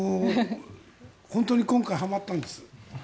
本当に今回、はまったんです。